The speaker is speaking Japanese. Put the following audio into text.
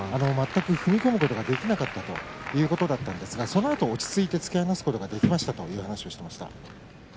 全く踏み込むことができなかったということだったんですがそのあと落ち着いて突き放すことができましたという話をしていました。